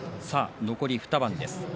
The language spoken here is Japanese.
残り２番です。